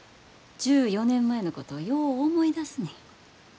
１４年前のことよう思い出すねん。